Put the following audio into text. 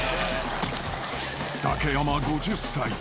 ［竹山５０歳。